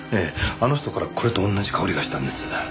あの人からこれと同じ香りがしたんです。